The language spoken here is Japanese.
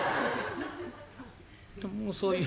ともうそういう。